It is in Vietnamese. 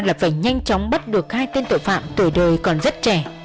thật ra là phải nhanh chóng bắt được hai tên tội phạm tuổi đời còn rất trẻ